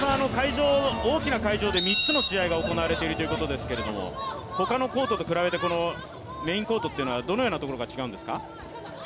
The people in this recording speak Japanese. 大きな会場で３つの試合が行われているということですけれども、他のコートと比べて、このメインコートというのはどのところが違うんですか？